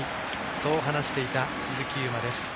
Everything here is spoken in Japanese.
そう話していた鈴木優磨です。